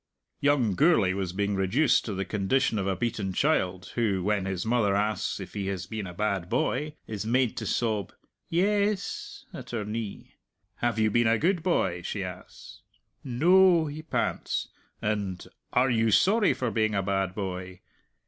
Young Gourlay was being reduced to the condition of a beaten child, who, when his mother asks if he has been a bad boy, is made to sob "Yes" at her knee. "Have you been a good boy?" she asks "No," he pants; and "Are you sorry for being a bad boy?"